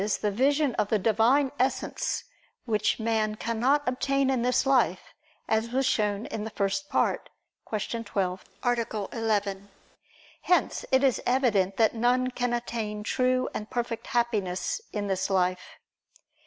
the vision of the Divine Essence, which man cannot obtain in this life, as was shown in the First Part (Q. 12, A. 11). Hence it is evident that none can attain true and perfect Happiness in this life.